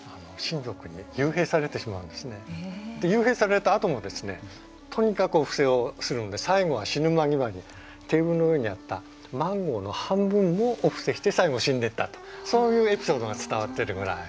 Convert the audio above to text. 幽閉されたあともですねとにかくお布施をするんで最後は死ぬ間際にテーブルの上にあったマンゴーの半分をお布施して最後死んでいったとそういうエピソードが伝わってるぐらい。